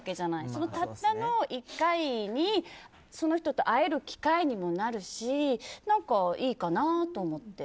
そのたったの１回にその人と会える機会にもなるし何かいいかなと思って。